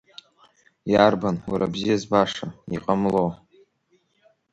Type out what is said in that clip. Иарбан, уара бзиа збаша, иҟамло!